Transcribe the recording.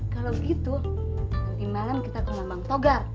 kalau gitu nanti malam kita ke mamang togar